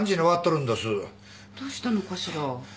どうしたのかしら。